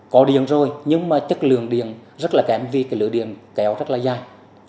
có điện rồi nhưng mà chất lượng điện rất là kém vì lửa điện kéo rất là dài